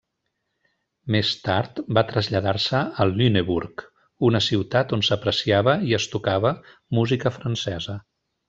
Més tard va traslladar-se a Lüneburg, una ciutat on s'apreciava i es tocava música francesa.